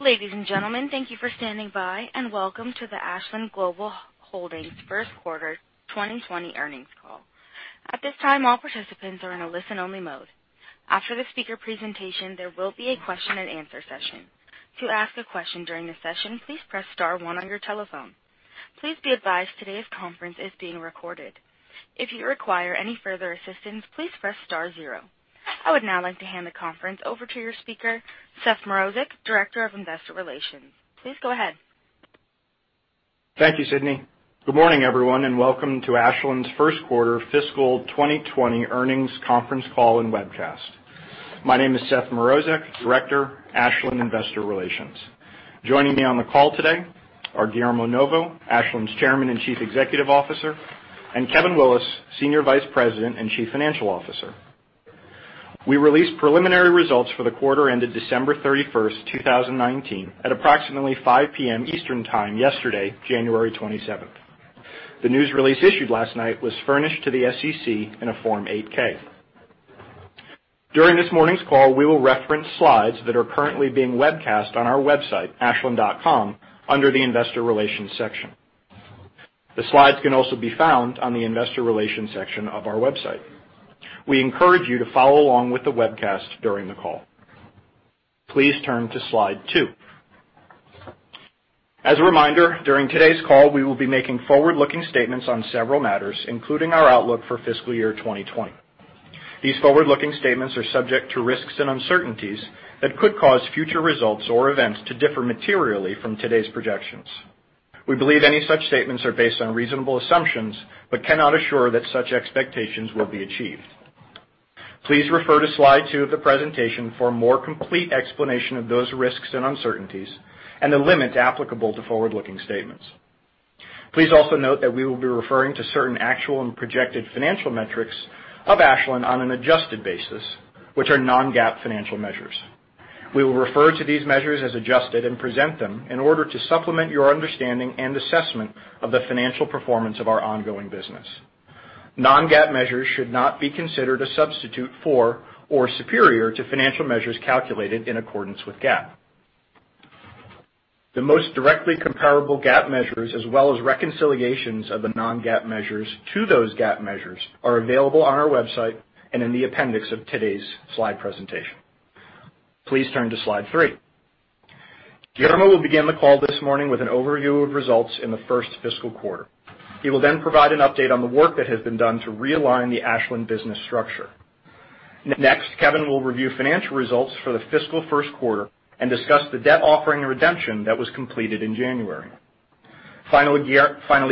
Ladies and gentlemen, thank you for standing by, and welcome to the Ashland Global Holdings first quarter 2020 earnings call. At this time, all participants are in a listen-only mode. After the speaker presentation, there will be a question-and-answer session. To ask a question during the session, please press star one on your telephone. Please be advised today's conference is being recorded. If you require any further assistance, please press star zero. I would now like to hand the conference over to your speaker, Seth Mrozek, Director of Investor Relations. Please go ahead. Thank you, Sidney. Good morning, everyone, and welcome to Ashland's first quarter fiscal 2020 earnings conference call and webcast. My name is Seth Mrozek, Director, Ashland Investor Relations. Joining me on the call today are Guillermo Novo, Ashland's Chairman and Chief Executive Officer, and Kevin Willis, Senior Vice President and Chief Financial Officer. We released preliminary results for the quarter ended December 31st, 2019, at approximately 5:00 P.M. Eastern Time yesterday, January 27th. The news release issued last night was furnished to the SEC in a Form 8-K. During this morning's call, we will reference slides that are currently being webcast on our website, ashland.com, under the Investor Relations section. The slides can also be found on the Investor Relations section of our website. We encourage you to follow along with the webcast during the call. Please turn to slide two. As a reminder, during today's call, we will be making forward-looking statements on several matters, including our outlook for fiscal year 2020. These forward-looking statements are subject to risks and uncertainties that could cause future results or events to differ materially from today's projections. We believe any such statements are based on reasonable assumptions but cannot assure that such expectations will be achieved. Please refer to slide two of the presentation for a more complete explanation of those risks and uncertainties, and the limit applicable to forward-looking statements. Please also note that we will be referring to certain actual and projected financial metrics of Ashland on an adjusted basis, which are non-GAAP financial measures. We will refer to these measures as adjusted and present them in order to supplement your understanding and assessment of the financial performance of our ongoing business. Non-GAAP measures should not be considered a substitute for or superior to financial measures calculated in accordance with GAAP. The most directly comparable GAAP measures, as well as reconciliations of the non-GAAP measures to those GAAP measures, are available on our website and in the appendix of today's slide presentation. Please turn to slide three. Guillermo will begin the call this morning with an overview of results in the first fiscal quarter. He will provide an update on the work that has been done to realign the Ashland business structure. Next, Kevin will review financial results for the fiscal first quarter and discuss the debt offering redemption that was completed in January. Finally,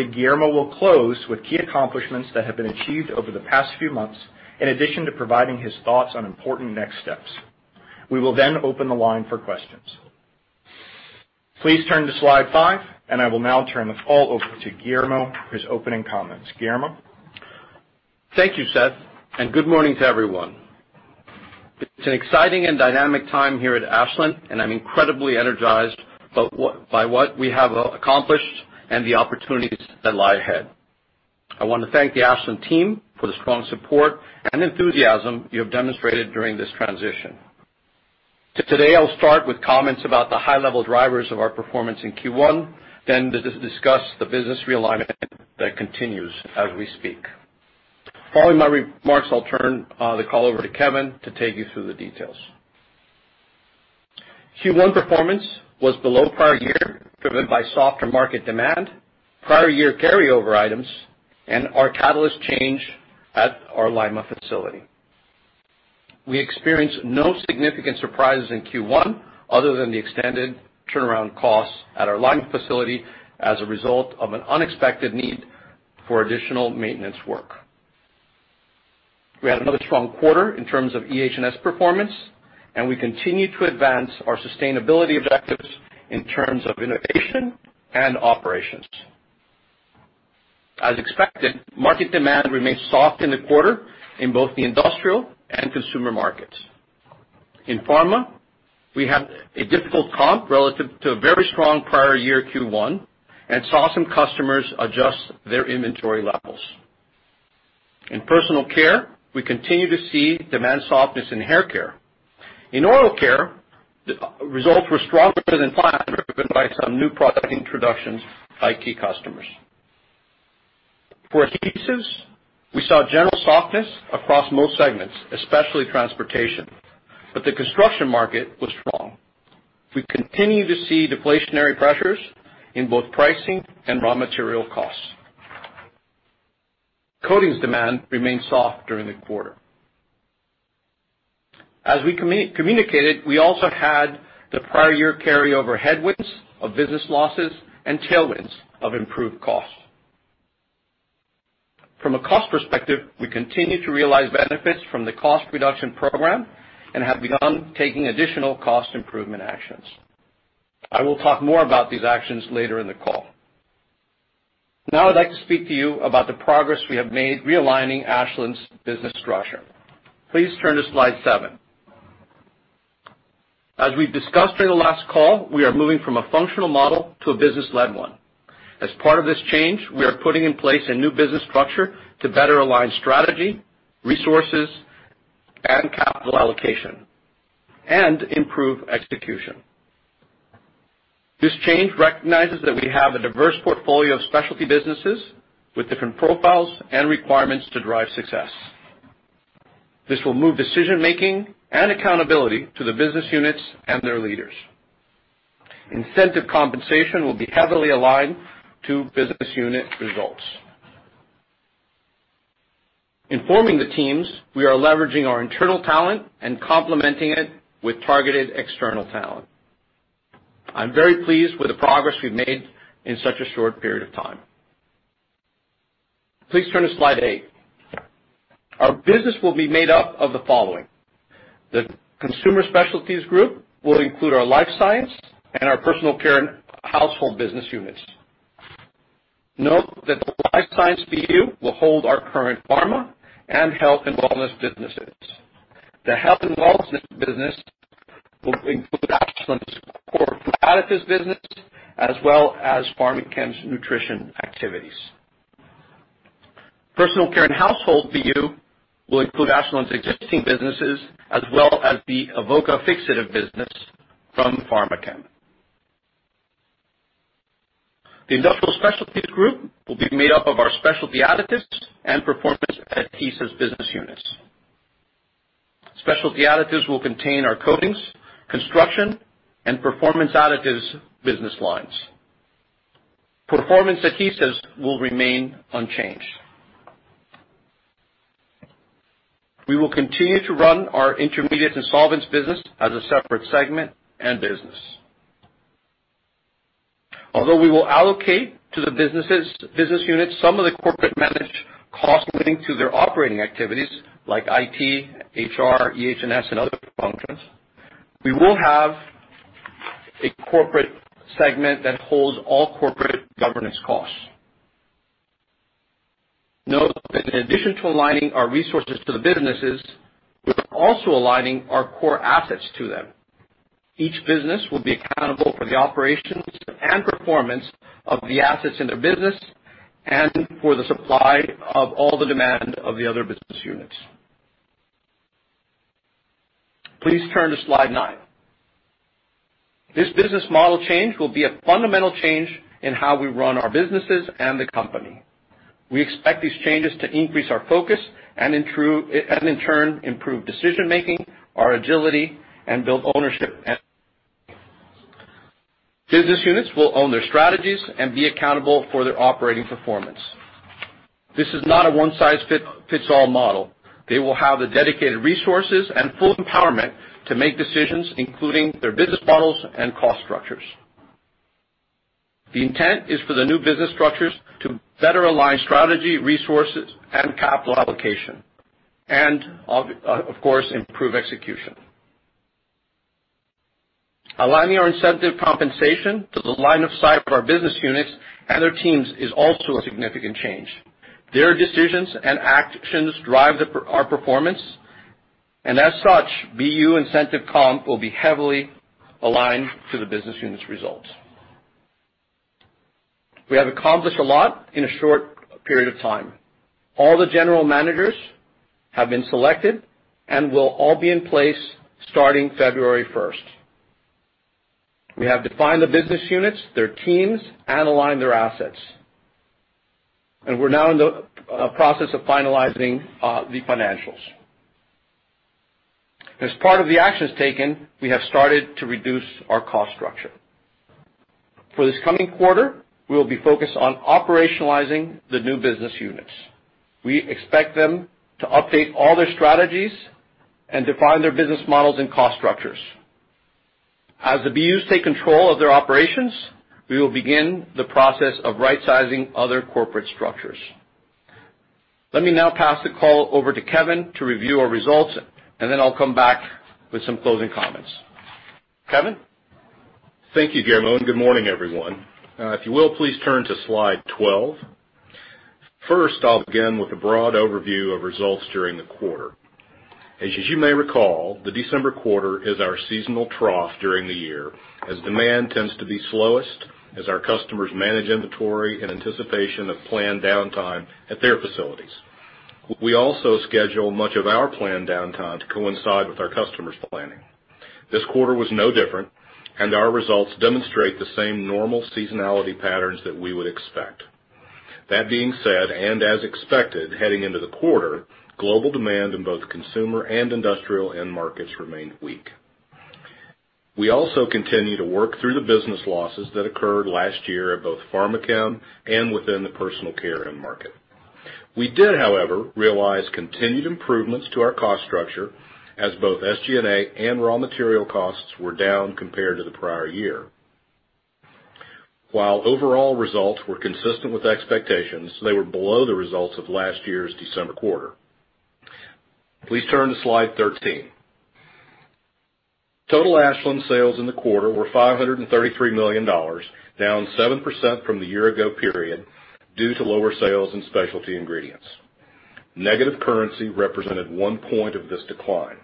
Guillermo will close with key accomplishments that have been achieved over the past few months, in addition to providing his thoughts on important next steps. We will open the line for questions. Please turn to slide five. I will now turn the call over to Guillermo for his opening comments. Guillermo? Thank you, Seth, and good morning to everyone. It's an exciting and dynamic time here at Ashland, and I'm incredibly energized by what we have accomplished and the opportunities that lie ahead. I want to thank the Ashland team for the strong support and enthusiasm you have demonstrated during this transition. Today, I'll start with comments about the high-level drivers of our performance in Q1, then discuss the business realignment that continues as we speak. Following my remarks, I'll turn the call over to Kevin to take you through the details. Q1 performance was below prior year, driven by softer market demand, prior year carryover items, and our catalyst change at our Lima facility. We experienced no significant surprises in Q1 other than the extended turnaround costs at our Lima facility as a result of an unexpected need for additional maintenance work. We had another strong quarter in terms of EH&S performance, and we continue to advance our sustainability objectives in terms of innovation and operations. As expected, market demand remained soft in the quarter in both the industrial and consumer markets. In Pharma, we had a difficult comp relative to a very strong prior year Q1 and saw some customers adjust their inventory levels. In personal care, we continue to see demand softness in hair care. In Oral Care, results were stronger than planned, driven by some new product introductions by key customers. For Adhesives, we saw general softness across most segments, especially transportation, but the construction market was strong. We continue to see deflationary pressures in both pricing and raw material costs. Coatings demand remained soft during the quarter. As we communicated, we also had the prior year carryover headwinds of business losses and tailwinds of improved costs. From a cost perspective, we continue to realize benefits from the cost reduction program and have begun taking additional cost improvement actions. I will talk more about these actions later in the call. Now I'd like to speak to you about the progress we have made realigning Ashland's business structure. Please turn to slide seven. As we've discussed during the last call, we are moving from a functional model to a business-led one. As part of this change, we are putting in place a new business structure to better align strategy, resources, and capital allocation, and improve execution. This change recognizes that we have a diverse portfolio of Specialty businesses with different profiles and requirements to drive success. This will move decision-making and accountability to the business units and their leaders. Incentive compensation will be heavily aligned to business unit results. In forming the teams, we are leveraging our internal talent and complementing it with targeted external talent. I'm very pleased with the progress we've made in such a short period of time. Please turn to slide eight. Our business will be made up of the following. The Consumer Specialties group will include our Life Sciences and our Personal Care and Household business units. Note that the Life Sciences BU will hold our current pharma and Health & Wellness businesses. The Health & Wellness business will include Ashland's core Food Additives business, as well as Pharmachem's nutrition activities. Personal Care and Household BU will include Ashland's existing businesses, as well as the Avoca fixative business from Pharmachem. The Industrial Specialties group will be made up of our Specialty Additives and Performance Adhesives business units. Specialty Additives will contain our Coatings, Construction, and Performance Additives business lines. Performance Adhesives will remain unchanged. We will continue to run our Intermediates and Solvents business as a separate segment and business. Although we will allocate to the business units some of the corporate managed costs linked to their operating activities, like IT, HR, EH&S, and other functions, we will have a corporate segment that holds all corporate governance costs. Note that in addition to aligning our resources to the businesses, we're also aligning our core assets to them. Each business will be accountable for the operations and performance of the assets in their business and for the supply of all the demand of the other business units. Please turn to slide nine. This business model change will be a fundamental change in how we run our businesses and the company. We expect these changes to increase our focus and in turn, improve decision making, our agility, and build ownership. Business units will own their strategies and be accountable for their operating performance. This is not a one-size-fits-all model. They will have the dedicated resources and full empowerment to make decisions, including their business models and cost structures. The intent is for the new business structures to better align strategy, resources, and capital allocation, and of course, improve execution. Aligning our incentive compensation to the line of sight of our business units and their teams is also a significant change. Their decisions and actions drive our performance, and as such, BU incentive comp will be heavily aligned to the business units' results. We have accomplished a lot in a short period of time. All the general managers have been selected and will all be in place starting February 1st. We have defined the business units, their teams, and aligned their assets. We're now in the process of finalizing the financials. As part of the actions taken, we have started to reduce our cost structure. For this coming quarter, we will be focused on operationalizing the new business units. We expect them to update all their strategies and define their business models and cost structures. As the BUs take control of their operations, we will begin the process of rightsizing other corporate structures. Let me now pass the call over to Kevin to review our results. Then I'll come back with some closing comments. Kevin? Thank you, Guillermo, and good morning, everyone. If you will, please turn to slide 12. First, I'll begin with a broad overview of results during the quarter. As you may recall, the December quarter is our seasonal trough during the year, as demand tends to be slowest as our customers manage inventory in anticipation of planned downtime at their facilities. We also schedule much of our planned downtime to coincide with our customers' planning. This quarter was no different, and our results demonstrate the same normal seasonality patterns that we would expect. That being said, and as expected, heading into the quarter, global demand in both consumer and industrial end markets remained weak. We also continue to work through the business losses that occurred last year at both Pharmachem and within the personal care end market. We did, however, realize continued improvements to our cost structure as both SG&A and raw material costs were down compared to the prior year. While overall results were consistent with expectations, they were below the results of last year's December quarter. Please turn to slide 13. Total Ashland sales in the quarter were $533 million, down 7% from the year ago period due to lower sales in specialty ingredients. Negative currency represented one point of this decline.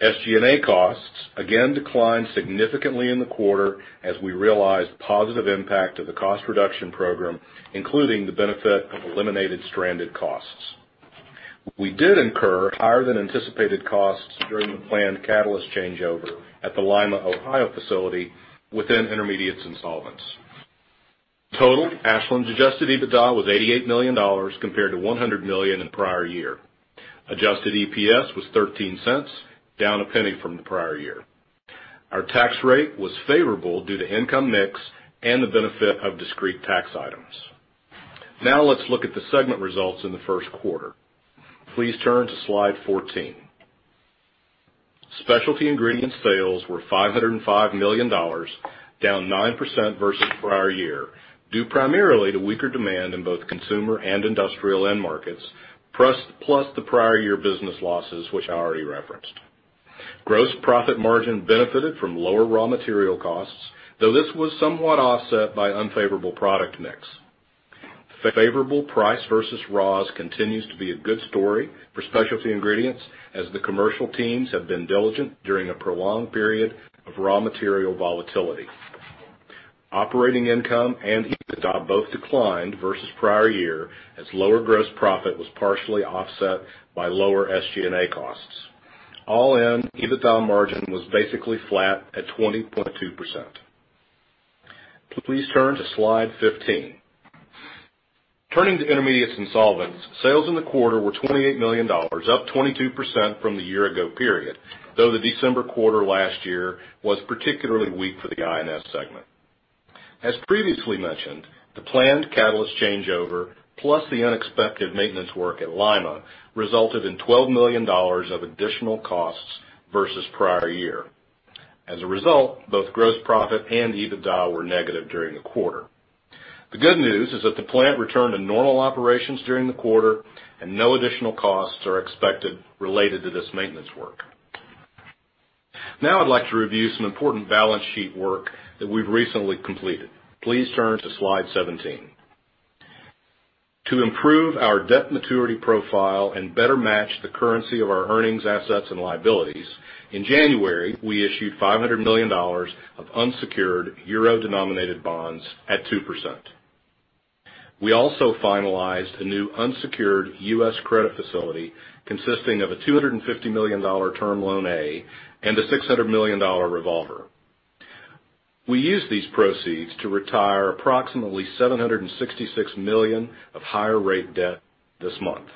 SG&A costs again declined significantly in the quarter as we realized the positive impact of the cost reduction program, including the benefit of eliminated stranded costs. We did incur higher than anticipated costs during the planned catalyst changeover at the Lima, Ohio facility within Intermediates and Solvents. Total, Ashland's adjusted EBITDA was $88 million, compared to $100 million in prior year. Adjusted EPS was $0.13, down $0.01 from the prior year. Our tax rate was favorable due to income mix and the benefit of discrete tax items. Let's look at the segment results in the first quarter. Please turn to slide 14. Specialty Ingredients sales were $505 million, down 9% versus prior year, due primarily to weaker demand in both consumer and industrial end markets, plus the prior year business losses, which I already referenced. Gross profit margin benefited from lower raw material costs, though this was somewhat offset by unfavorable product mix. Favorable price versus raws continues to be a good story for Specialty Ingredients, as the commercial teams have been diligent during a prolonged period of raw material volatility. Operating income and EBITDA both declined versus prior year as lower gross profit was partially offset by lower SG&A costs. All in, EBITDA margin was basically flat at 20.2%. Please turn to slide 15. Turning to Intermediates and Solvents, sales in the quarter were $28 million, up 22% from the year ago period, though the December quarter last year was particularly weak for the I&S segment. As previously mentioned, the planned catalyst changeover, plus the unexpected maintenance work at Lima, resulted in $12 million of additional costs versus prior year. As a result, both gross profit and EBITDA were negative during the quarter. The good news is that the plant returned to normal operations during the quarter and no additional costs are expected related to this maintenance work. Now I'd like to review some important balance sheet work that we've recently completed. Please turn to slide 17. To improve our debt maturity profile and better match the currency of our earnings assets and liabilities, in January, we issued $500 million of unsecured euro-denominated bonds at 2%. We also finalized a new unsecured U.S. credit facility consisting of a $250 million term loan A and a $600 million revolver. We used these proceeds to retire approximately $766 million of higher rate debt this month.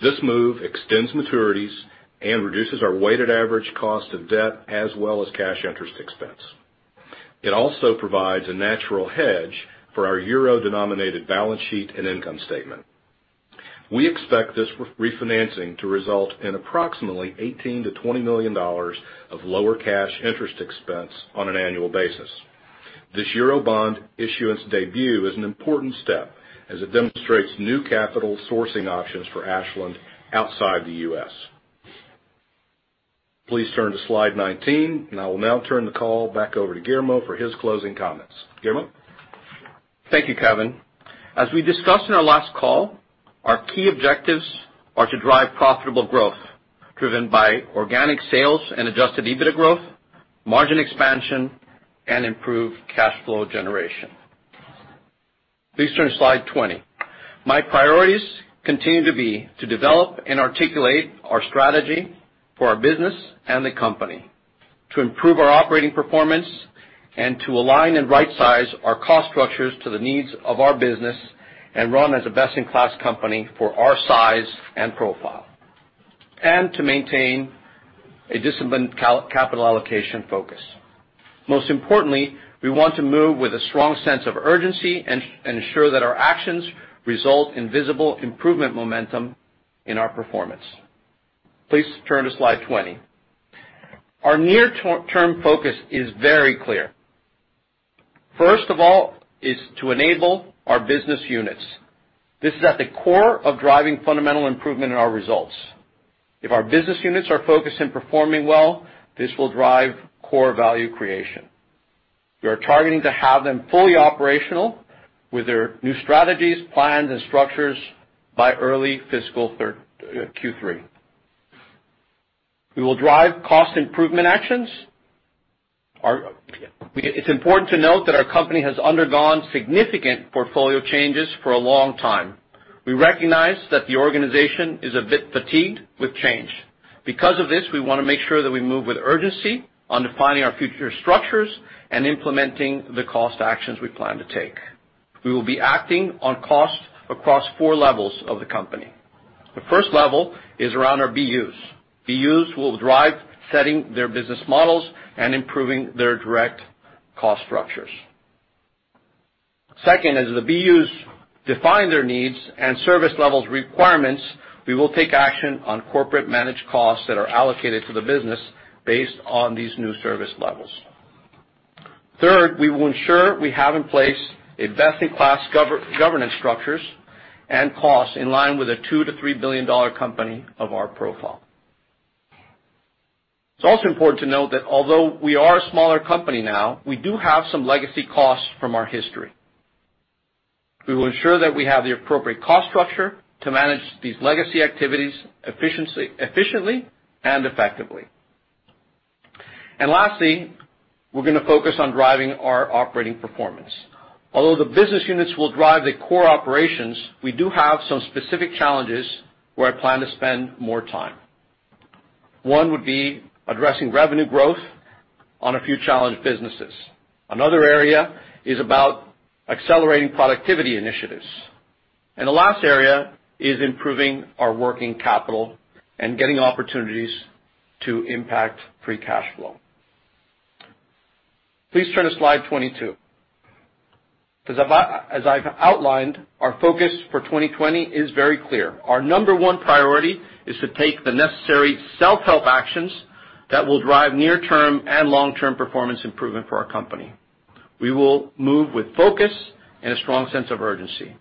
This move extends maturities and reduces our weighted average cost of debt as well as cash interest expense. It also provides a natural hedge for our euro-denominated balance sheet and income statement. We expect this refinancing to result in approximately $18 million-$20 million of lower cash interest expense on an annual basis. This euro bond issuance debut is an important step as it demonstrates new capital sourcing options for Ashland outside the U.S. Please turn to slide 19, and I will now turn the call back over to Guillermo for his closing comments. Guillermo? Thank you, Kevin. As we discussed in our last call, our key objectives are to drive profitable growth driven by organic sales and adjusted EBITDA growth, margin expansion, and improved cash flow generation. Please turn to slide 20. My priorities continue to be to develop and articulate our strategy for our business and the company to improve our operating performance and to align and rightsize our cost structures to the needs of our business and run as a best-in-class company for our size and profile, and to maintain a disciplined capital allocation focus. Most importantly, we want to move with a strong sense of urgency and ensure that our actions result in visible improvement momentum in our performance. Please turn to slide 20. Our near-term focus is very clear. First of all is to enable our business units. This is at the core of driving fundamental improvement in our results. If our business units are focused and performing well, this will drive core value creation. We are targeting to have them fully operational with their new strategies, plans, and structures by early fiscal Q3. We will drive cost improvement actions. It's important to note that our company has undergone significant portfolio changes for a long time. We recognize that the organization is a bit fatigued with change. Because of this, we want to make sure that we move with urgency on defining our future structures and implementing the cost actions we plan to take. We will be acting on cost across four levels of the company. The first level is around our BUs. BUs will drive setting their business models and improving their direct cost structures. Second is the BUs define their needs and service levels requirements, we will take action on corporate managed costs that are allocated to the business based on these new service levels. Third, we will ensure we have in place a best-in-class governance structures and costs in line with a $2 billion-$3 billion company of our profile. It's also important to note that although we are a smaller company now, we do have some legacy costs from our history. We will ensure that we have the appropriate cost structure to manage these legacy activities efficiently and effectively. Lastly, we're going to focus on driving our operating performance. Although the business units will drive the core operations, we do have some specific challenges where I plan to spend more time. One would be addressing revenue growth on a few challenged businesses. Another area is about accelerating productivity initiatives, and the last area is improving our working capital and getting opportunities to impact free cash flow. Please turn to slide 22. As I've outlined, our focus for 2020 is very clear. Our number one priority is to take the necessary self-help actions that will drive near-term and long-term performance improvement for our company. We will move with focus and a strong sense of urgency.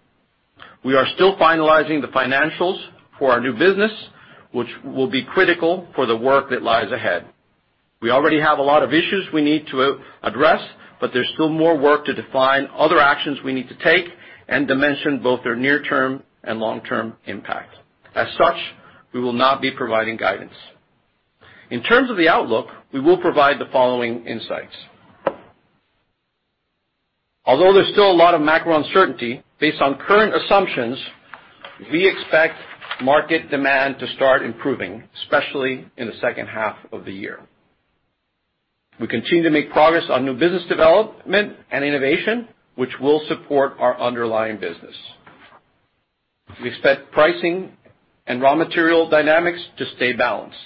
We are still finalizing the financials for our new business, which will be critical for the work that lies ahead. We already have a lot of issues we need to address, but there's still more work to define other actions we need to take and to mention both their near-term and long-term impact. As such, we will not be providing guidance. In terms of the outlook, we will provide the following insights. Although there's still a lot of macro uncertainty, based on current assumptions, we expect market demand to start improving, especially in the second half of the year. We continue to make progress on new business development and innovation, which will support our underlying business. We expect pricing and raw material dynamics to stay balanced.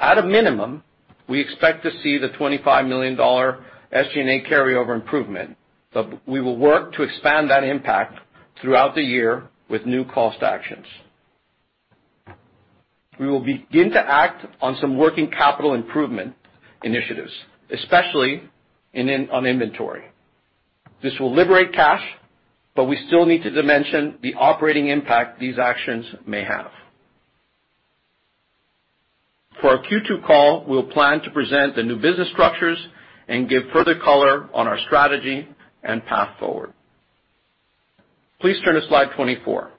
At a minimum, we expect to see the $25 million SG&A carryover improvement, but we will work to expand that impact throughout the year with new cost actions. We will begin to act on some working capital improvement initiatives, especially on inventory. This will liberate cash, but we still need to dimension the operating impact these actions may have. For our Q2 call, we'll plan to present the new business structures and give further color on our strategy and path forward. Please turn to slide 24.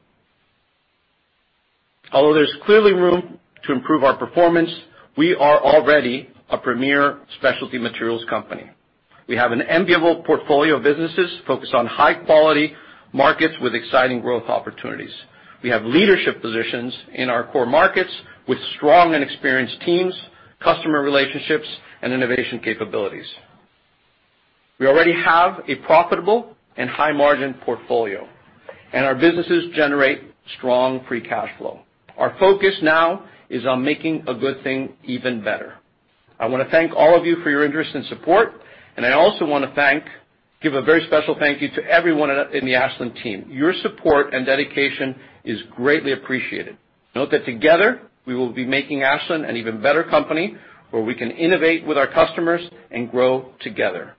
Although there's clearly room to improve our performance, we are already a premier specialty materials company. We have an enviable portfolio of businesses focused on high-quality markets with exciting growth opportunities. We have leadership positions in our core markets with strong and experienced teams, customer relationships, and innovation capabilities. We already have a profitable and high-margin portfolio, and our businesses generate strong free cash flow. Our focus now is on making a good thing even better. I want to thank all of you for your interest and support, and I also want to give a very special thank you to everyone in the Ashland team. Your support and dedication is greatly appreciated. Note that together, we will be making Ashland an even better company, where we can innovate with our customers and grow together.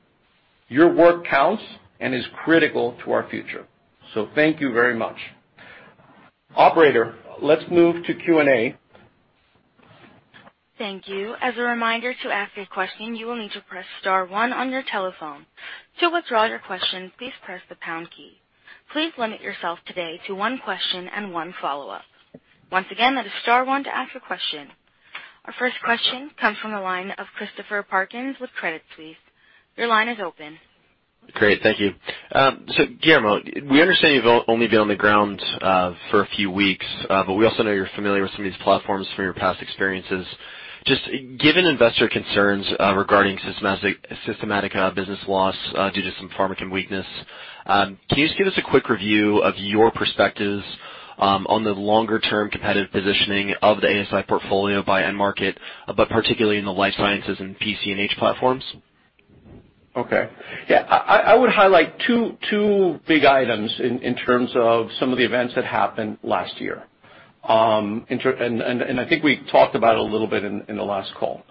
Your work counts and is critical to our future. Thank you very much. Operator, let's move to Q&A. Thank you. As a reminder, to ask a question, you will need to press star one on your telephone. To withdraw your question, please press the pound key. Please limit yourself today to one question and one follow-up. Once again, that is star one to ask a question. Our first question comes from the line of Christopher Parkinson with Credit Suisse. Your line is open. Great. Thank you. Guillermo, we understand you've only been on the ground for a few weeks, but we also know you're familiar with some of these platforms from your past experiences. Just given investor concerns regarding systematic business loss due to some Pharmachem weakness, can you just give us a quick review of your perspectives on the longer-term competitive positioning of the ASI portfolio by end market, but particularly in the Life Sciences and PC&H platforms? Okay. Yeah, I would highlight two big items in terms of some of the events that happened last year. I think we talked about it a little bit in the last call.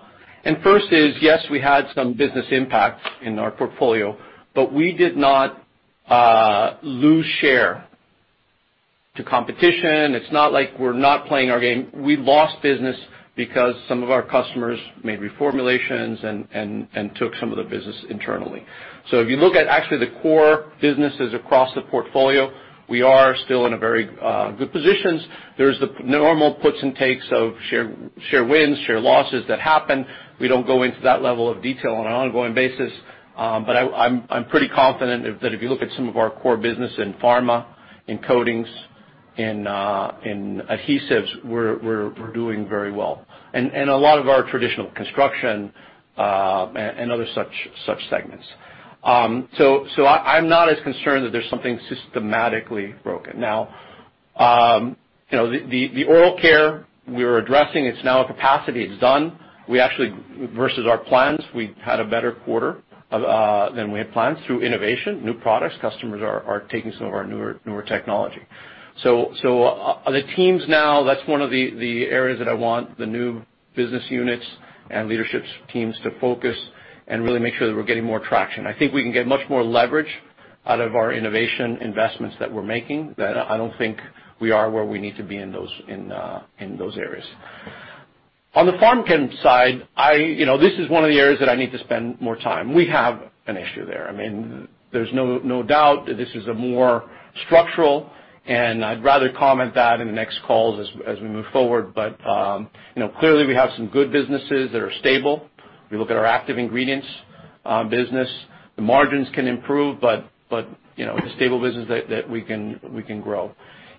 First is, yes, we had some business impact in our portfolio, but we did not lose share to competition. It's not like we're not playing our game. We lost business because some of our customers made reformulations and took some of the business internally. If you look at actually the core businesses across the portfolio, we are still in a very good positions. There's the normal puts and takes of share wins, share losses that happen. We don't go into that level of detail on an ongoing basis. I'm pretty confident that if you look at some of our core business in Pharma, in Coatings, in Adhesives, we're doing very well. A lot of our traditional construction and other such segments. I'm not as concerned that there's something systematically broken. The oral care we were addressing, it's now at capacity. It's done. Versus our plans, we had a better quarter than we had planned through innovation, new products. Customers are taking some of our newer technology. The teams now, that's one of the areas that I want the new business units and leadership teams to focus and really make sure that we're getting more traction. I think we can get much more leverage out of our innovation investments that we're making, that I don't think we are where we need to be in those areas. On the Pharmachem side, this is one of the areas that I need to spend more time. We have an issue there. There's no doubt that this is more structural, and I'd rather comment on that in the next calls as we move forward. Clearly, we have some good businesses that are stable. We look at our Active Ingredients business. The margins can improve, but it's a stable business that we can grow.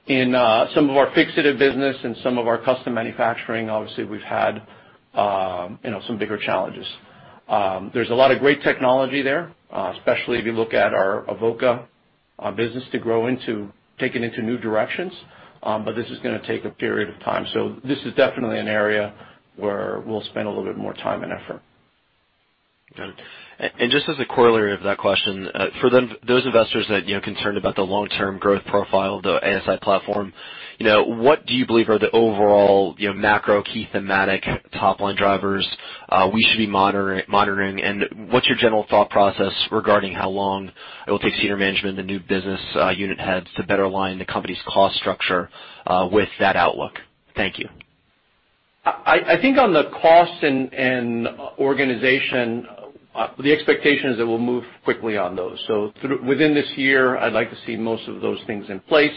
In some of our fixative business and some of our custom manufacturing, obviously, we've had some bigger challenges. There's a lot of great technology there, especially if you look at our Avoca business to grow into taking into new directions, but this is going to take a period of time. This is definitely an area where we'll spend a little bit more time and effort. Got it. Just as a corollary of that question, for those investors that are concerned about the long-term growth profile of the ASI platform, what do you believe are the overall macro key thematic top-line drivers we should be monitoring? What's your general thought process regarding how long it will take senior management and the new business unit heads to better align the company's cost structure with that outlook? Thank you. I think on the cost and organization, the expectation is that we'll move quickly on those. Within this year, I'd like to see most of those things in place.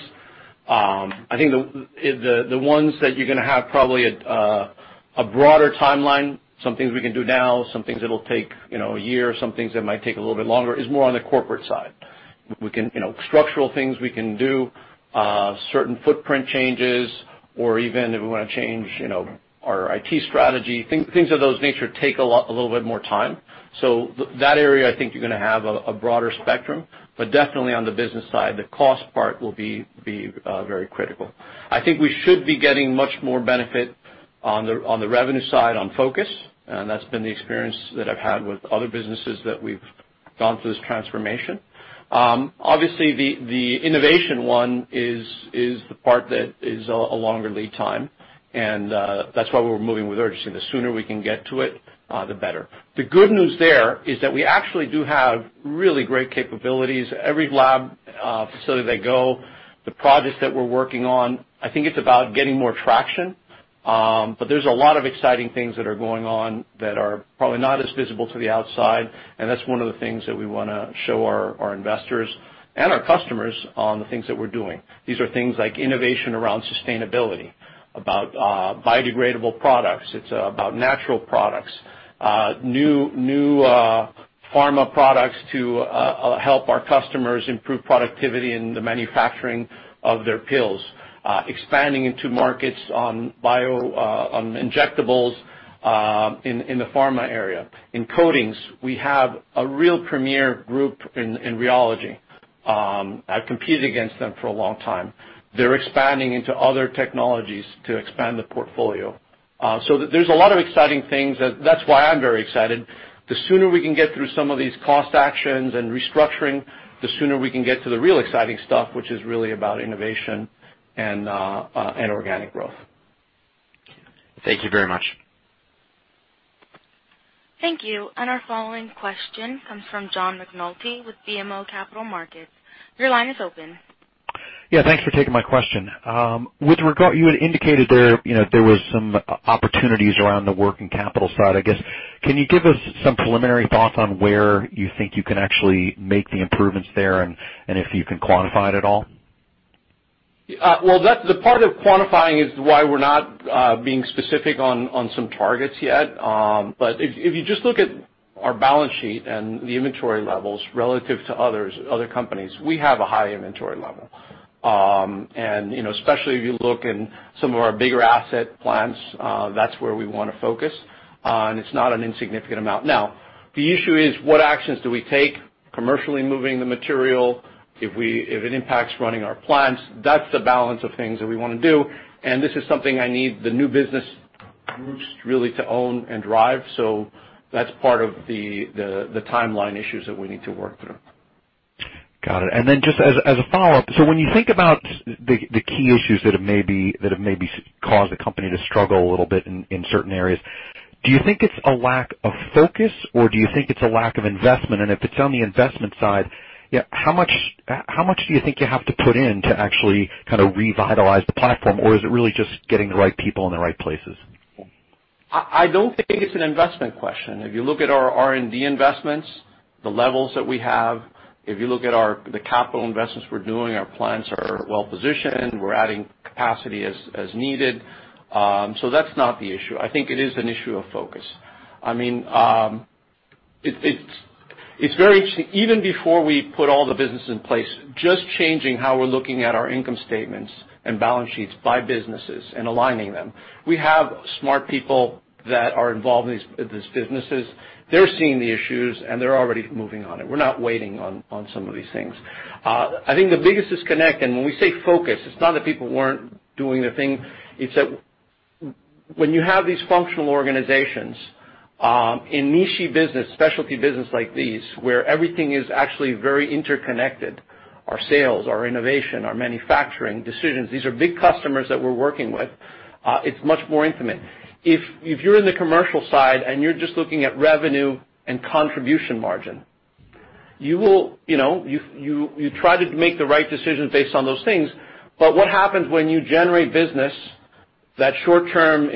I think the ones that you're going to have probably a broader timeline, some things we can do now, some things that'll take a year, some things that might take a little bit longer, is more on the corporate side. Structural things we can do, certain footprint changes, or even if we want to change our IT strategy. Things of those nature take a little bit more time. That area, I think you're going to have a broader spectrum, but definitely on the business side, the cost part will be very critical. I think we should be getting much more benefit on the revenue side on focus. That's been the experience that I've had with other businesses that we've gone through this transformation. Obviously, the innovation one is the part that is a longer lead time. That's why we're moving with urgency. The sooner we can get to it, the better. The good news there is that we actually do have really great capabilities. Every lab facility they go, the projects that we're working on, I think it's about getting more traction. There's a lot of exciting things that are going on that are probably not as visible to the outside. That's one of the things that we want to show our investors and our customers on the things that we're doing. These are things like innovation around sustainability, about biodegradable products. It's about natural products, new pharma products to help our customers improve productivity in the manufacturing of their pills. Expanding into markets on bio, on injectables in the Pharma area. In Coatings, we have a real premier group in rheology. I've competed against them for a long time. They're expanding into other technologies to expand the portfolio. There's a lot of exciting things. That's why I'm very excited. The sooner we can get through some of these cost actions and restructuring, the sooner we can get to the real exciting stuff, which is really about innovation and organic growth. Thank you very much. Thank you. Our following question comes from John McNulty with BMO Capital Markets. Your line is open. Yeah, thanks for taking my question. You had indicated there were some opportunities around the working capital side, I guess. Can you give us some preliminary thoughts on where you think you can actually make the improvements there and if you can quantify it at all? Well, the part of quantifying is why we're not being specific on some targets yet. If you just look at our balance sheet and the inventory levels relative to other companies, we have a high inventory level. Especially if you look in some of our bigger asset plants, that's where we want to focus. It's not an insignificant amount. Now, the issue is what actions do we take commercially moving the material, if it impacts running our plants. That's the balance of things that we want to do, and this is something I need the new business groups really to own and drive. That's part of the timeline issues that we need to work through. Got it. Just as a follow-up. When you think about the key issues that have maybe caused the company to struggle a little bit in certain areas, do you think it's a lack of focus, or do you think it's a lack of investment? If it's on the investment side, how much do you think you have to put in to actually revitalize the platform, or is it really just getting the right people in the right places? I don't think it's an investment question. If you look at our R&D investments, the levels that we have, if you look at the capital investments we're doing, our plants are well-positioned. We're adding capacity as needed. That's not the issue. I think it is an issue of focus. Even before we put all the business in place, just changing how we're looking at our income statements and balance sheets by businesses and aligning them. We have smart people that are involved in these businesses. They're seeing the issues, and they're already moving on it. We're not waiting on some of these things. I think the biggest disconnect, and when we say focus, it's not that people weren't doing their thing. It's that when you have these functional organizations in niche-y business, specialty business like these, where everything is actually very interconnected, our sales, our innovation, our manufacturing decisions. These are big customers that we're working with. It's much more intimate. If you're in the commercial side and you're just looking at revenue and contribution margin. You try to make the right decisions based on those things. What happens when you generate business that short-term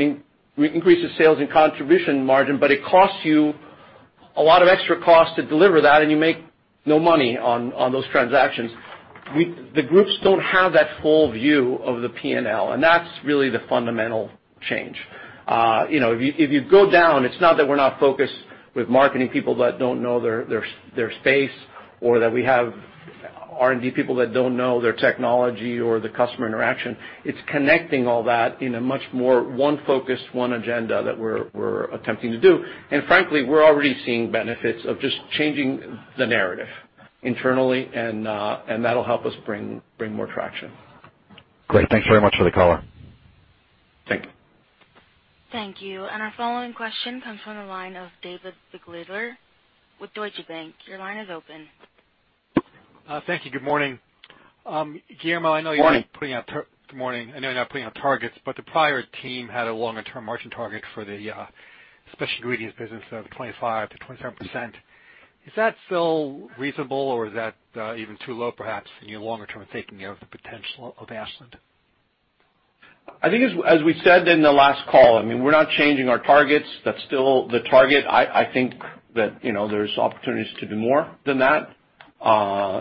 increases sales and contribution margin, but it costs you a lot of extra costs to deliver that and you make no money on those transactions? The groups don't have that full view of the P&L, and that's really the fundamental change. If you go down, it's not that we're not focused with marketing people that don't know their space or that we have R&D people that don't know their technology or the customer interaction. It's connecting all that in a much more one focus, one agenda that we're attempting to do. Frankly, we're already seeing benefits of just changing the narrative internally, and that'll help us bring more traction. Great. Thanks very much for the color. Thank you. Thank you. Our following question comes from the line of David Begleiter with Deutsche Bank. Your line is open. Thank you. Good morning. Good morning. Guillermo, I know you're not putting out targets, but the prior team had a longer-term margin target for the Specialty Ingredients business of 25%-27%. Is that still reasonable or is that even too low perhaps in your longer term thinking of the potential of Ashland? I think as we said in the last call, we're not changing our targets. That's still the target. I think that there's opportunities to do more than that,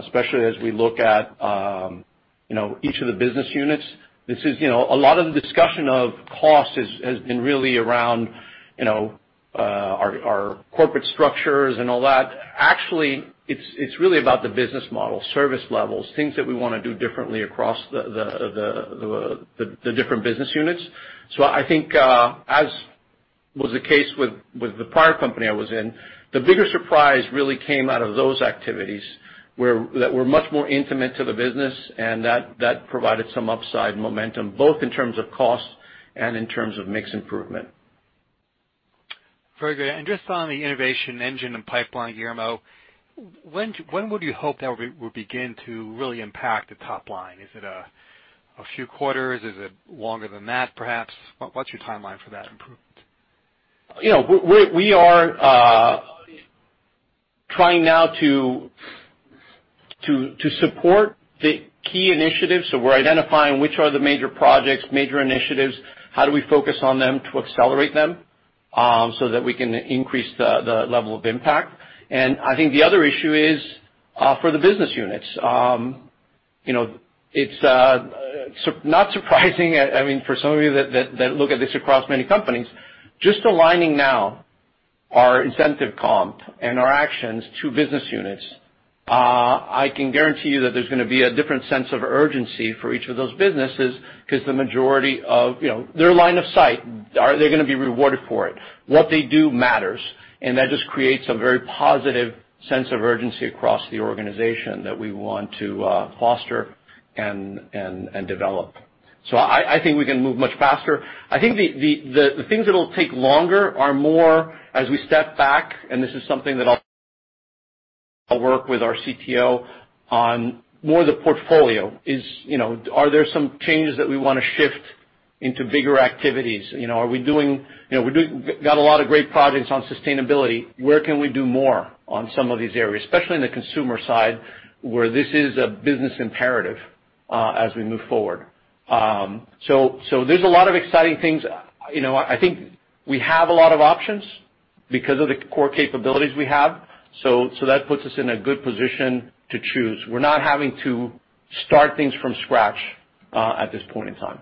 especially as we look at each of the business units. A lot of the discussion of cost has been really around our corporate structures and all that. Actually, it's really about the business model, service levels, things that we want to do differently across the different business units. I think as was the case with the prior company I was in, the bigger surprise really came out of those activities that were much more intimate to the business and that provided some upside momentum, both in terms of cost and in terms of mix improvement. Very good. Just on the innovation engine and pipeline, Guillermo, when would you hope that will begin to really impact the top line? Is it a few quarters? Is it longer than that, perhaps? What's your timeline for that improvement? We are trying now to support the key initiatives. We're identifying which are the major projects, major initiatives, how do we focus on them to accelerate them so that we can increase the level of impact. I think the other issue is for the business units. It's not surprising for some of you that look at this across many companies, just aligning now our incentive comp and our actions to business units, I can guarantee you that there's gonna be a different sense of urgency for each of those businesses because the majority of their line of sight, are they gonna be rewarded for it? What they do matters, that just creates a very positive sense of urgency across the organization that we want to foster and develop. I think we can move much faster. I think the things that'll take longer are more as we step back, and this is something that I'll work with our CTO on more the portfolio is, are there some changes that we want to shift into bigger activities? We got a lot of great projects on sustainability. Where can we do more on some of these areas, especially in the Consumer side, where this is a business imperative as we move forward? There's a lot of exciting things. I think we have a lot of options because of the core capabilities we have. That puts us in a good position to choose. We're not having to start things from scratch at this point in time.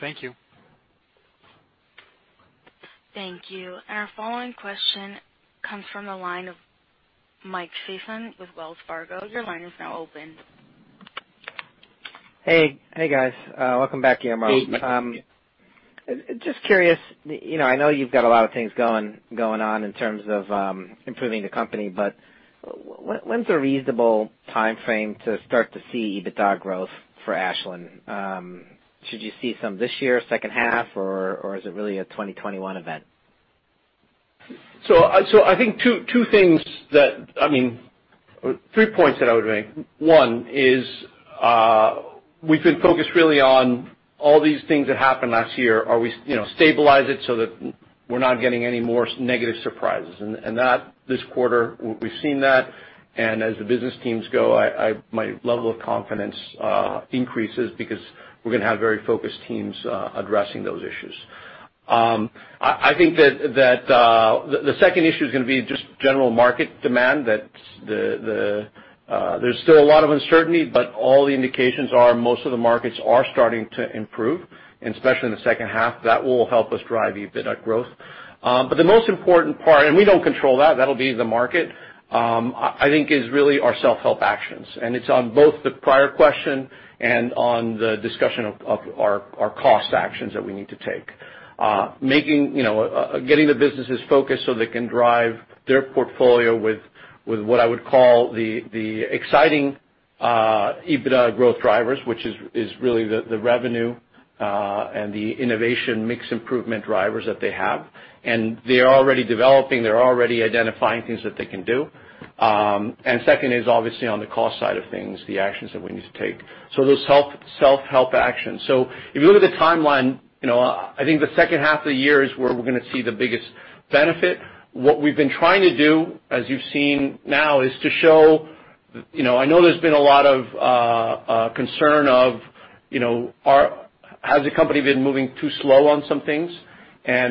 Thank you. Thank you. Our following question comes from the line of Mike Sison with Wells Fargo. Your line is now open. Hey, guys. Welcome back, Guillermo. Hey, Mike. Just curious, I know you've got a lot of things going on in terms of improving the company, but when's a reasonable timeframe to start to see EBITDA growth for Ashland? Should you see some this year, second half, or is it really a 2021 event? I think three points that I would make. One is we've been focused really on all these things that happened last year. Are we stabilize it so that we're not getting any more negative surprises? This quarter, we've seen that, and as the business teams go, my level of confidence increases because we're gonna have very focused teams addressing those issues. I think that the second issue is gonna be just general market demand. There's still a lot of uncertainty, but all the indications are most of the markets are starting to improve, and especially in the second half. That will help us drive EBITDA growth. The most important part, and we don't control that'll be the market, I think is really our self-help actions. It's on both the prior question and on the discussion of our cost actions that we need to take. Getting the businesses focused so they can drive their portfolio with what I would call the exciting EBITDA growth drivers, which is really the revenue and the innovation mix improvement drivers that they have. They're already developing, they're already identifying things that they can do. Second is obviously on the cost side of things, the actions that we need to take. Those self-help actions. If you look at the timeline, I think the second half of the year is where we're gonna see the biggest benefit. What we've been trying to do, as you've seen now, is to show I know there's been a lot of concern of has the company been moving too slow on some things?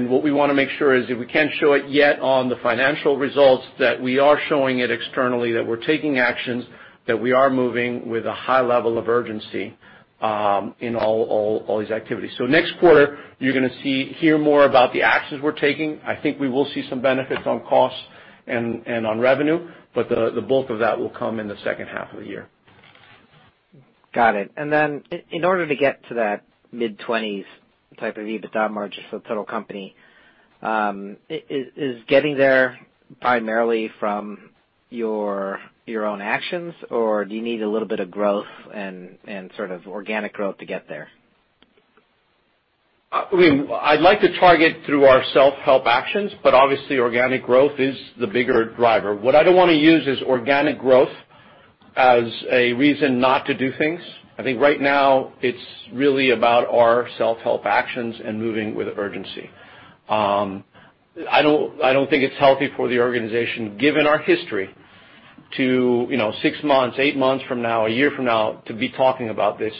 What we want to make sure is if we can't show it yet on the financial results, that we are showing it externally, that we're taking actions, that we are moving with a high level of urgency in all these activities. Next quarter, you're going to hear more about the actions we're taking. I think we will see some benefits on costs and on revenue, but the bulk of that will come in the second half of the year. Got it. In order to get to that mid-20s type of EBITDA margin for the total company, is getting there primarily from your own actions? Or do you need a little bit of growth and sort of organic growth to get there? I'd like to target through our self-help actions, obviously organic growth is the bigger driver. What I don't want to use is organic growth as a reason not to do things. I think right now it's really about our self-help actions and moving with urgency. I don't think it's healthy for the organization, given our history, to six months, eight months from now, a year from now, to be talking about this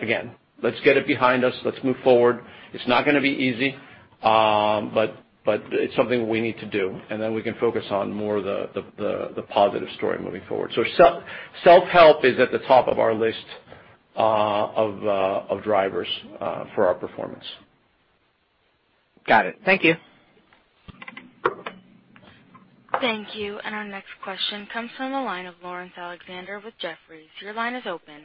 again. Let's get it behind us. Let's move forward. It's not going to be easy. It's something we need to do, we can focus on more of the positive story moving forward. Self-help is at the top of our list of drivers for our performance. Got it. Thank you. Thank you. Our next question comes from the line of Laurence Alexander with Jefferies. Your line is open.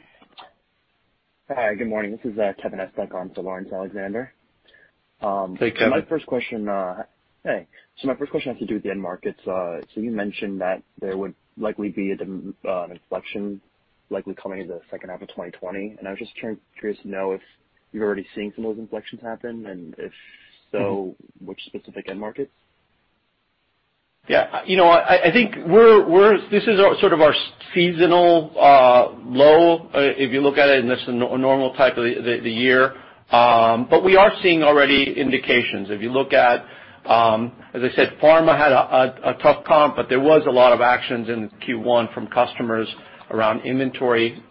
Hi, good morning. This is Kevin Estok, on for Laurence Alexander. Hey, Kevin. Hey. My first question has to do with the end markets. You mentioned that there would likely be an inflection likely coming into the second half of 2020. I was just curious to know if you're already seeing some of those inflections happen, and if so, which specific end markets? Yeah. I think this is sort of our seasonal low, if you look at it, and that's the normal type of the year. We are seeing already indications. If you look at, as I said, Pharma had a tough comp, but there was a lot of actions in Q1 from customers around inventory,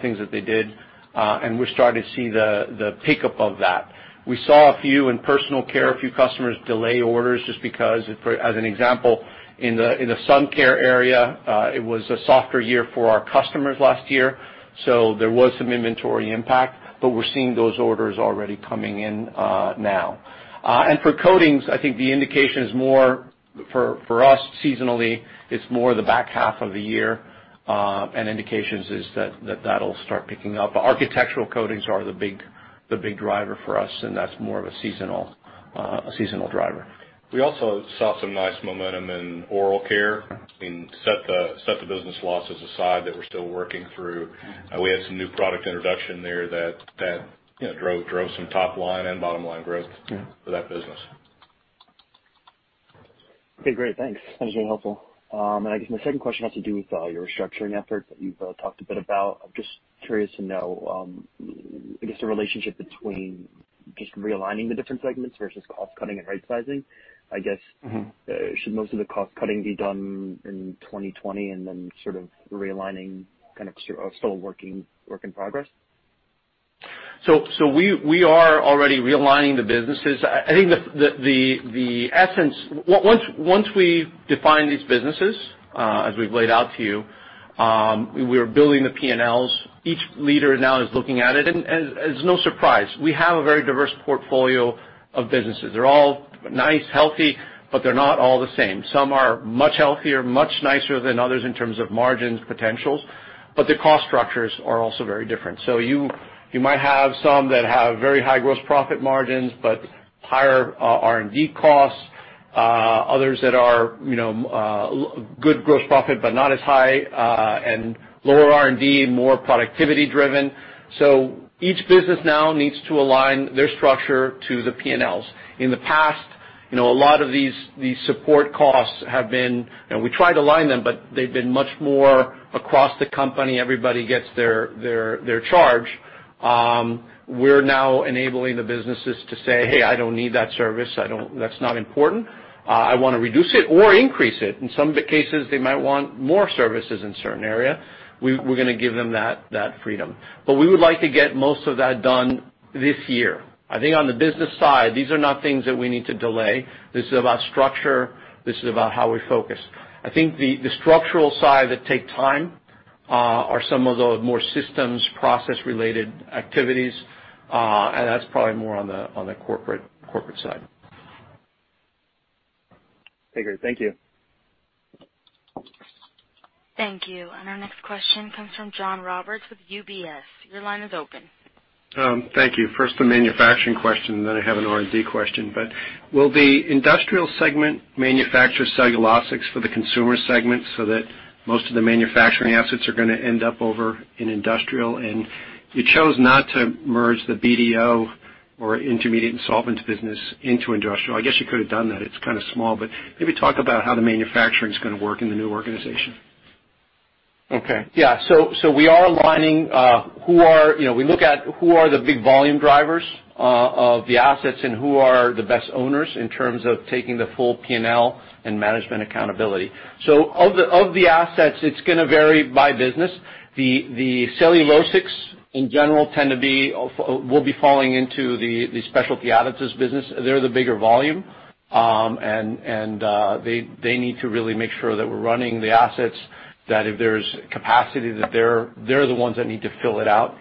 things that they did. We're starting to see the pickup of that. We saw a few in personal care, a few customers delay orders just because, as an example, in the sun care area, it was a softer year for our customers last year, so there was some inventory impact, but we're seeing those orders already coming in now. For Coatings, I think the indication is more for us seasonally, it's more the back half of the year, and indications is that that'll start picking up. Architectural Coatings are the big driver for us, and that's more of a seasonal driver. We also saw some nice momentum in Oral Care. Set the business losses aside that we're still working through. We had some new product introduction there that drove some top-line and bottom-line growth for that business. Okay, great. Thanks. That was very helpful. I guess my second question has to do with your restructuring efforts that you've talked a bit about. I'm just curious to know, I guess, the relationship between just realigning the different segments versus cost cutting and right sizing. Should most of the cost cutting be done in 2020 and then sort of realigning kind of still a work in progress? We are already realigning the businesses. Once we define these businesses, as we've laid out to you, we are building the P&Ls. Each leader now is looking at it. It's no surprise. We have a very diverse portfolio of businesses. They're all nice, healthy, but they're not all the same. Some are much healthier, much nicer than others in terms of margins potentials, but the cost structures are also very different. You might have some that have very high gross profit margins, but higher R&D costs. Others that are good gross profit, but not as high, and lower R&D, more productivity driven. Each business now needs to align their structure to the P&Ls. In the past, a lot of these support costs, we try to align them, but they've been much more across the company. Everybody gets their charge. We're now enabling the businesses to say, "Hey, I don't need that service. That's not important. I want to reduce it or increase it." In some of the cases, they might want more services in a certain area. We're going to give them that freedom. We would like to get most of that done this year. I think on the business side, these are not things that we need to delay. This is about structure. This is about how we focus. I think the structural side that take time are some of the more systems process related activities. That's probably more on the corporate side. Okay, great. Thank you. Thank you. Our next question comes from John Roberts with UBS. Your line is open. Thank you. First, a manufacturing question, then I have an R&D question. Will the Industrial segment manufacture cellulosics for the Consumer segment so that most of the manufacturing assets are going to end up over in Industrial? You chose not to merge the BDO or Intermediates and Solvents business into Industrial. I guess you could have done that. It's kind of small, but maybe talk about how the manufacturing's going to work in the new organization? Okay. Yeah. We are aligning. We look at who are the big volume drivers of the assets and who are the best owners in terms of taking the full P&L and management accountability. Of the assets, it's going to vary by business. The cellulosics, in general, will be falling into the Specialty Additives business. They're the bigger volume, and they need to really make sure that we're running the assets, that if there's capacity, that they're the ones that need to fill it out.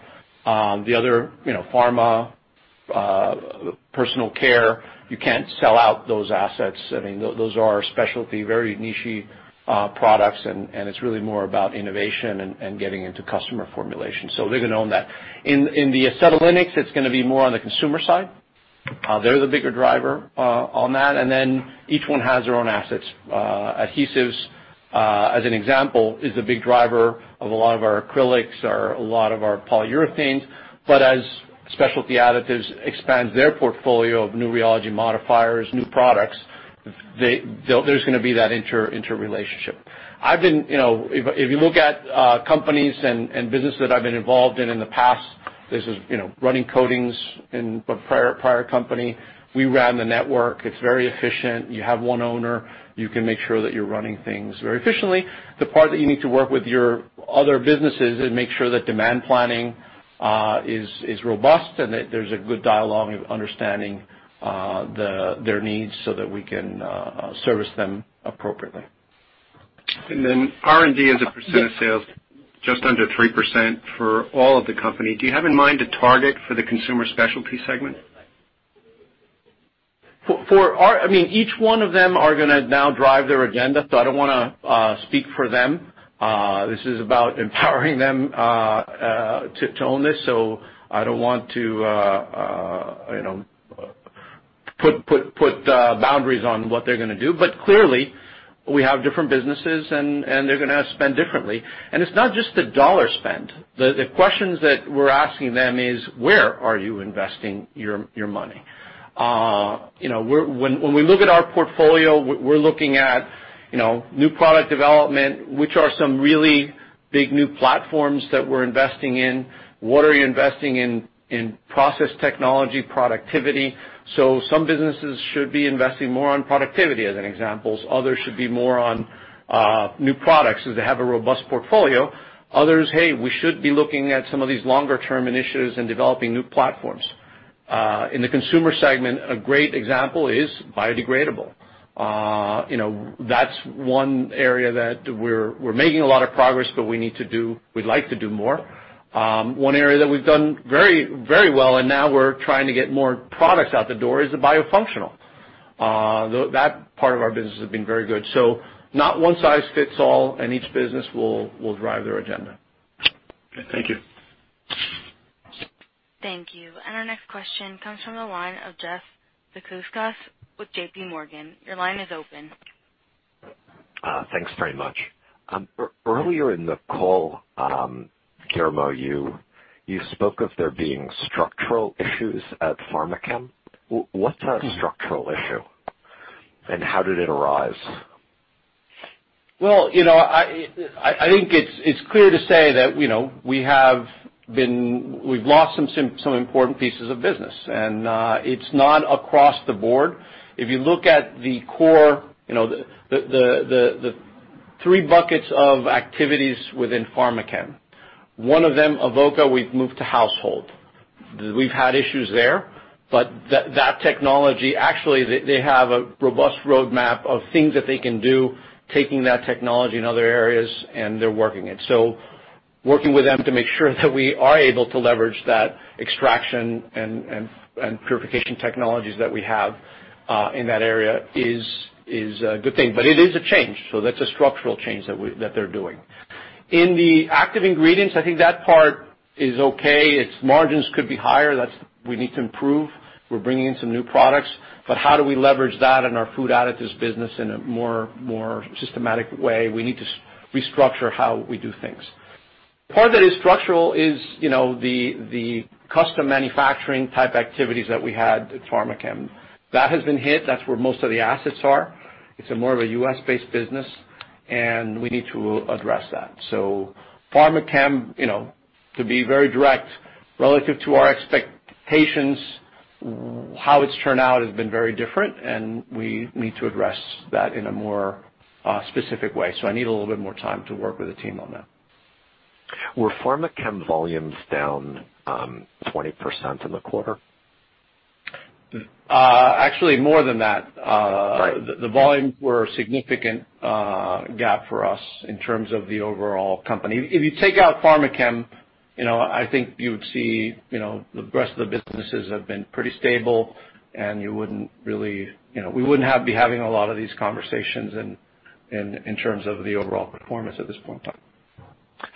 The other, Pharma, Personal Care, you can't sell out those assets. Those are specialty, very niche-y products, and it's really more about innovation and getting into customer formulation. They're going to own that. In the acetylenics, it's going to be more on the Consumer side. They're the bigger driver on that, and then each one has their own assets. Adhesives, as an example, is a big driver of a lot of our acrylics or a lot of our polyurethanes. As Specialty Additives expands their portfolio of new rheology modifiers, new products, there's going to be that interrelationship. If you look at companies and business that I've been involved in in the past, this is running Coatings in a prior company. We ran the network. It's very efficient. You have one owner. You can make sure that you're running things very efficiently. The part that you need to work with your other businesses and make sure that demand planning is robust and that there's a good dialogue of understanding their needs so that we can service them appropriately. R&D as a percent of sales, just under 3% for all of the company. Do you have in mind a target for the Consumer Specialty segment? Each one of them are going to now drive their agenda, so I don't want to speak for them. This is about empowering them to own this. I don't want to put boundaries on what they're going to do. Clearly, we have different businesses, and they're going to spend differently. It's not just the dollar spend. The questions that we're asking them is, where are you investing your money? When we look at our portfolio, we're looking at new product development, which are some really big new platforms that we're investing in. What are you investing in process technology, productivity? Some businesses should be investing more on productivity, as an example. Others should be more on new products, as they have a robust portfolio. Others, hey, we should be looking at some of these longer-term initiatives and developing new platforms. In the Consumer segment, a great example is biodegradable. That's one area that we're making a lot of progress, but we'd like to do more. One area that we've done very well and now we're trying to get more products out the door is the biofunctional. That part of our business has been very good. Not one size fits all, and each business will drive their agenda. Okay. Thank you. Thank you. Our next question comes from the line of Jeff Zekauskas with JPMorgan. Your line is open. Thanks very much. Earlier in the call, Guillermo, you spoke of there being structural issues at Pharmachem. What's a structural issue, and how did it arise? Well, I think it's clear to say that we've lost some important pieces of business, and it's not across the board. If you look at the core, the three buckets of activities within Pharmachem, one of them, Avoca, we've moved to household. We've had issues there, but that technology, actually, they have a robust roadmap of things that they can do, taking that technology in other areas, and they're working it. Working with them to make sure that we are able to leverage that extraction and purification technologies that we have in that area is a good thing. It is a change, so that's a structural change that they're doing. In the Active Ingredients, I think that part is okay. Its margins could be higher. We need to improve. We're bringing in some new products. How do we leverage that in our Food Additives business in a more systematic way? We need to restructure how we do things. Part that is structural is the custom manufacturing type activities that we had at Pharmachem. That has been hit. That's where most of the assets are. It's more of a U.S.-based business, and we need to address that. Pharmachem, to be very direct, relative to our expectations, how it's turned out has been very different, and we need to address that in a more specific way. I need a little bit more time to work with the team on that. Were Pharmachem volumes down 20% in the quarter? Actually, more than that. Right. The volumes were a significant gap for us in terms of the overall company. If you take out Pharmachem, I think you would see the rest of the businesses have been pretty stable, and we wouldn't be having a lot of these conversations in terms of the overall performance at this point in time.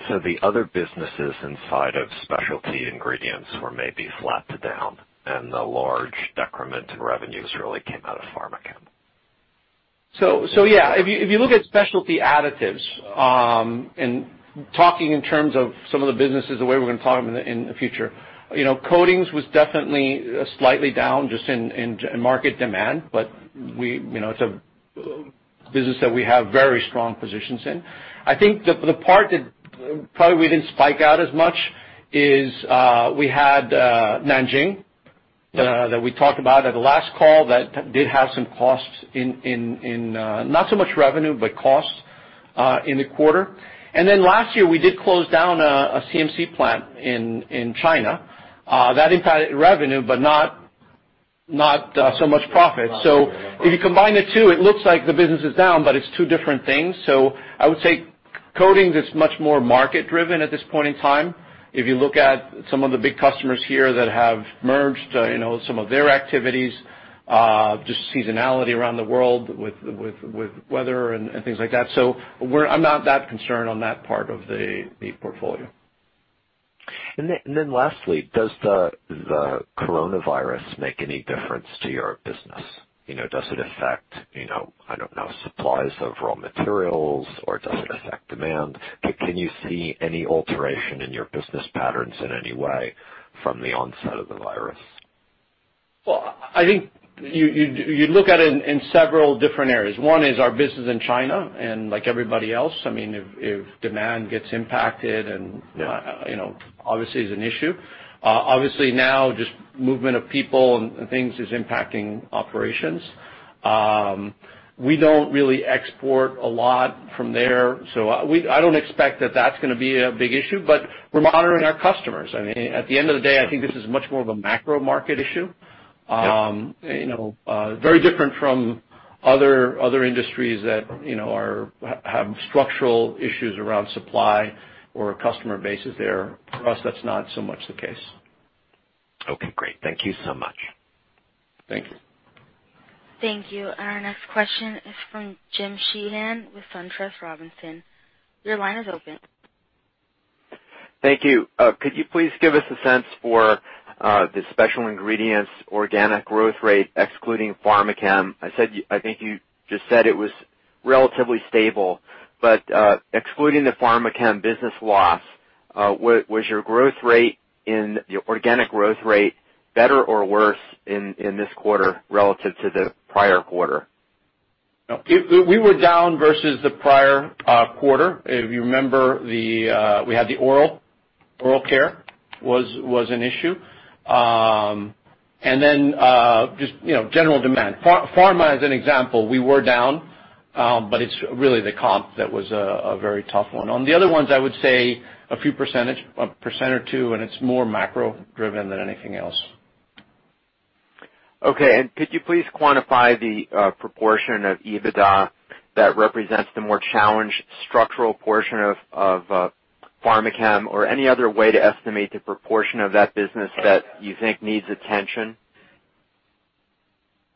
The other businesses inside of Specialty Ingredients were maybe flat to down, and the large decrement in revenues really came out of Pharmachem. Yeah, if you look at Specialty Additives, and talking in terms of some of the businesses, the way we are going to talk in the future, Coatings was definitely slightly down just in market demand, but it is a business that we have very strong positions in. I think the part that probably we did not spike out as much is we had Nanjing that we talked about at the last call that did have some costs, not so much revenue, but costs in the quarter. Last year, we did close down a CMC plant in China. That impacted revenue, but not so much profit. If you combine the two, it looks like the business is down, but it is two different things. I would say Coatings is much more market-driven at this point in time. If you look at some of the big customers here that have merged, some of their activities, just seasonality around the world with weather and things like that. I'm not that concerned on that part of the portfolio. Lastly, does the coronavirus make any difference to your business? Does it affect, I don't know, supplies of raw materials, or does it affect demand? Can you see any alteration in your business patterns in any way from the onset of the virus? Well, I think you look at it in several different areas. One is our business in China, and like everybody else, if demand gets impacted— Yeah. —and, you know, obviously is an issue. Now just movement of people and things is impacting operations. We don't really export a lot from there, so I don't expect that that's going to be a big issue. We're monitoring our customers. At the end of the day, I think this is much more of a macro market issue. Yeah. Very different from other industries that have structural issues around supply or customer bases there. For us, that's not so much the case. Okay, great. Thank you so much. Thank you. Thank you. Our next question is from Jim Sheehan with SunTrust Robinson. Your line is open. Thank you. Could you please give us a sense for the [Specialty] Ingredients organic growth rate excluding Pharmachem? I think you just said it was relatively stable. Excluding the Pharmachem business loss, was your organic growth rate better or worse in this quarter relative to the prior quarter? No. We were down versus the prior quarter. If you remember, we had the Oral Care was an issue, just general demand. Pharma, as an example, we were down, it's really the comp that was a very tough one. On the other ones, I would say a few percentage, 1% or 2%, it's more macro-driven than anything else. Okay. Could you please quantify the proportion of EBITDA that represents the more challenged structural portion of Pharmachem or any other way to estimate the proportion of that business that you think needs attention?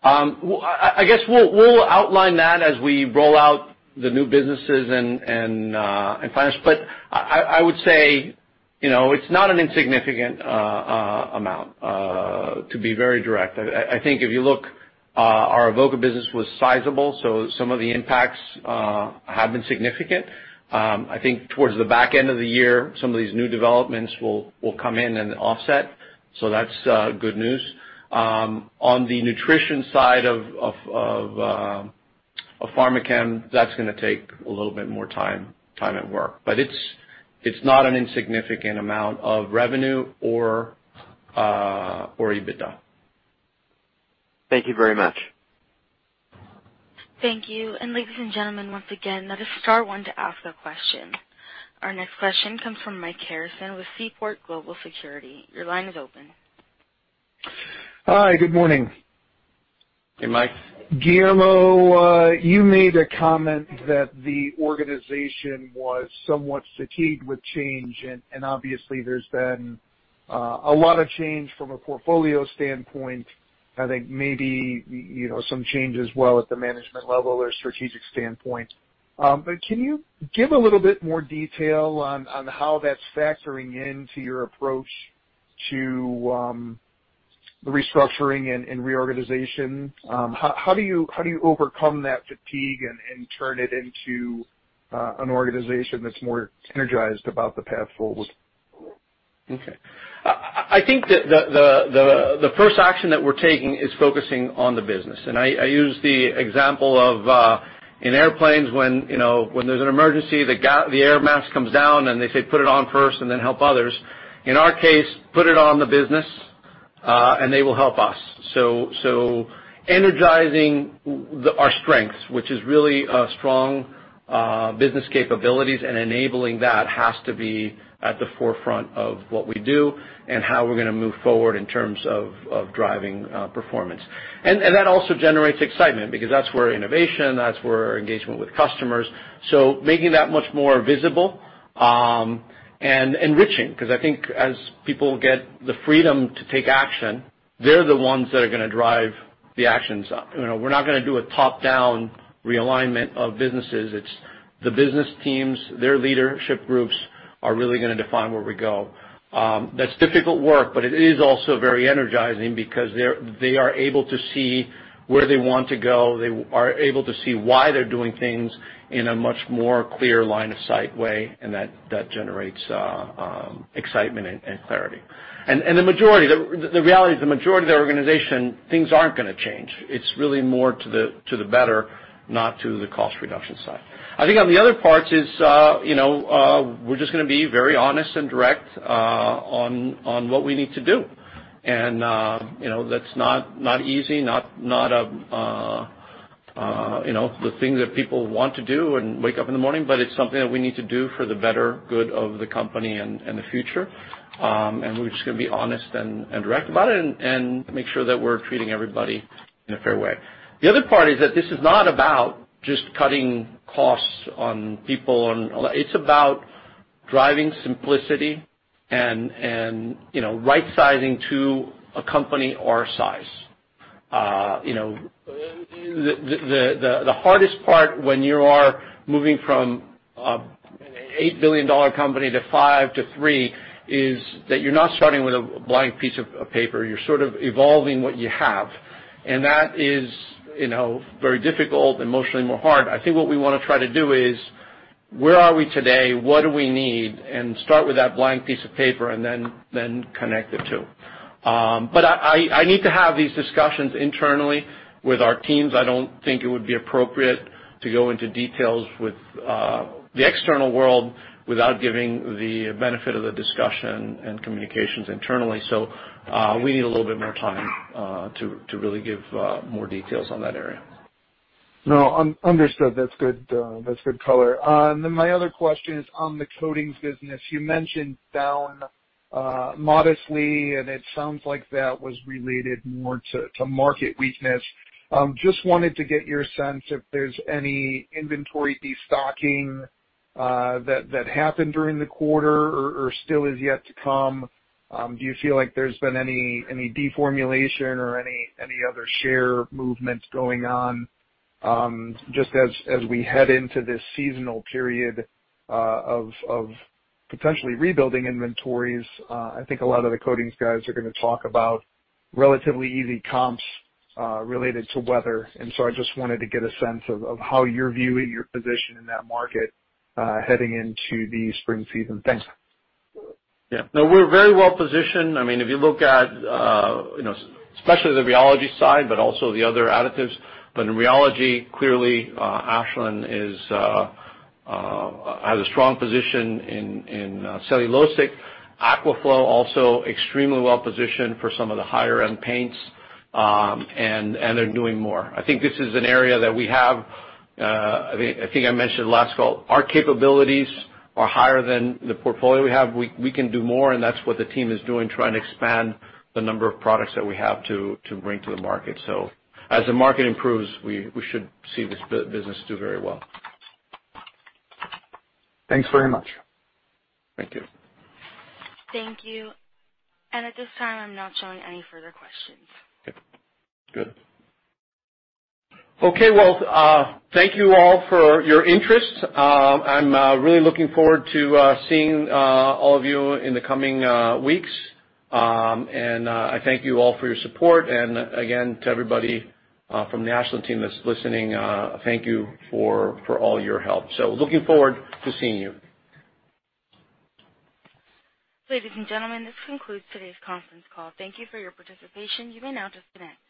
I guess we'll outline that as we roll out the new businesses in finance. I would say it's not an insignificant amount, to be very direct. I think if you look, our Avoca business was sizable, some of the impacts have been significant. I think towards the back end of the year, some of these new developments will come in and offset. That's good news. On the nutrition side of Pharmachem, that's gonna take a little bit more time and work. It's not an insignificant amount of revenue or EBITDA. Thank you very much. Thank you. Ladies and gentlemen, once again, that is star one to ask a question. Our next question comes from Mike Harrison with Seaport Global Securities. Your line is open. Hi, good morning. Hey, Mike. Guillermo, you made a comment that the organization was somewhat fatigued with change, and obviously there's been a lot of change from a portfolio standpoint. I think maybe some change as well at the management level or strategic standpoint. Can you give a little bit more detail on how that's factoring into your approach to the restructuring and reorganization? How do you overcome that fatigue and turn it into an organization that's more energized about the path forward? Okay. I think that the first action that we're taking is focusing on the business. I use the example of in airplanes when there's an emergency, the air mask comes down, and they say, "Put it on first and then help others." In our case, put it on the business, and they will help us. Energizing our strengths, which is really strong business capabilities and enabling that has to be at the forefront of what we do and how we're gonna move forward in terms of driving performance. That also generates excitement because that's where innovation, that's where our engagement with customers. Making that much more visible and enriching, because I think as people get the freedom to take action, they're the ones that are gonna drive the actions up. We're not gonna do a top-down realignment of businesses. It's the business teams, their leadership groups are really gonna define where we go. That's difficult work, but it is also very energizing because they are able to see where they want to go. They are able to see why they're doing things in a much more clear line of sight way, and that generates excitement and clarity. The reality is the majority of the organization, things aren't gonna change. It's really more to the better, not to the cost reduction side. I think on the other parts is, we're just gonna be very honest and direct on what we need to do. That's not easy, not the thing that people want to do when wake up in the morning, but it's something that we need to do for the better good of the company and the future. We're just going to be honest and direct about it and make sure that we're treating everybody in a fair way. The other part is that this is not about just cutting costs on people. It's about driving simplicity and right-sizing to a company our size. The hardest part when you are moving from an $8 billion company to $5 billion to $3 billion is that you're not starting with a blank piece of paper. You're sort of evolving what you have, and that is very difficult, emotionally more hard. I think what we want to try to do is, where are we today? What do we need? Start with that blank piece of paper, and then connect the two. I need to have these discussions internally with our teams. I don't think it would be appropriate to go into details with the external world without giving the benefit of the discussion and communications internally. We need a little bit more time to really give more details on that area. No, understood. That's good color. My other question is on the Coatings business. You mentioned down modestly, and it sounds like that was related more to market weakness. Just wanted to get your sense if there's any inventory destocking that happened during the quarter or still is yet to come. Do you feel like there's been any deformulation or any other share movements going on? Just as we head into this seasonal period of potentially rebuilding inventories, I think a lot of the coatings guys are going to talk about relatively easy comps related to weather. I just wanted to get a sense of how you're viewing your position in that market heading into the spring season. Thanks. No, we're very well-positioned. If you look at, especially the rheology side, but also the other additives, but in rheology, clearly, Ashland has a strong position in cellulosic. Aquaflow also extremely well-positioned for some of the higher-end paints, are doing more. I think this is an area that I think I mentioned last call, our capabilities are higher than the portfolio we have. We can do more, that's what the team is doing, trying to expand the number of products that we have to bring to the market. As the market improves, we should see this business do very well. Thanks very much. Thank you. Thank you. At this time, I'm not showing any further questions. Okay. Good. Okay, well, thank you all for your interest. I'm really looking forward to seeing all of you in the coming weeks. I thank you all for your support. Again, to everybody from the Ashland team that's listening, thank you for all your help. Looking forward to seeing you. Ladies and gentlemen, this concludes today's conference call. Thank you for your participation. You may now disconnect.